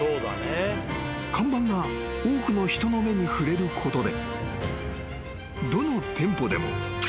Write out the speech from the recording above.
［看板が多くの人の目に触れることで］